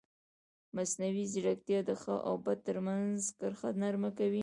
مصنوعي ځیرکتیا د ښه او بد ترمنځ کرښه نرمه کوي.